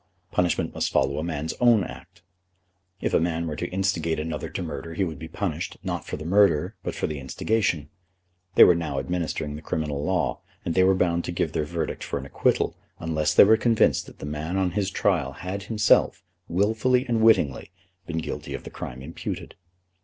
Punishment must follow a man's own act. If a man were to instigate another to murder he would be punished, not for the murder, but for the instigation. They were now administering the criminal law, and they were bound to give their verdict for an acquittal unless they were convinced that the man on his trial had himself, wilfully and wittingly, been guilty of the crime imputed.